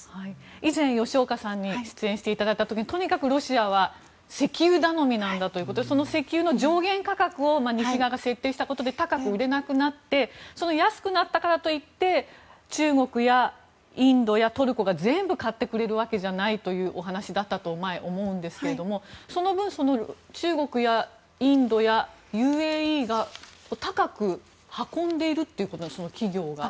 以前、吉岡さんに出演していただいた時にとにかくロシアは石油頼みなんだということでその石油の上限価格を西側が設定したことで高く売れなくなって安くなったからといって中国やインドやトルコが全部買ってくれるわけじゃないという以前、そういうお話だったと思うんですがその分、中国やインドやＵＡＥが高く運んでいるということですか企業が。